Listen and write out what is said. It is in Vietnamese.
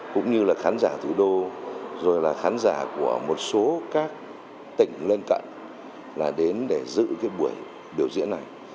cũng như là khán giả thủ đô rồi là khán giả của một số các tỉnh lân cận là đến để giữ cái buổi biểu diễn này